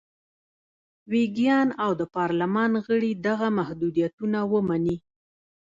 ویګیان او د پارلمان غړي دغه محدودیتونه ومني.